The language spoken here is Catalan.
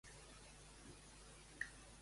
Quines zones li fricciona?